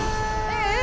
え？